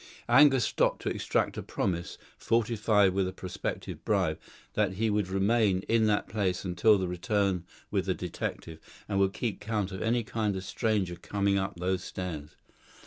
Angus stopped to extract a promise, fortified with a prospective bribe, that he would remain in that place until the return with the detective, and would keep count of any kind of stranger coming up those stairs.